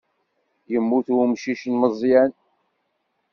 Yemmut umcic n Meẓyan.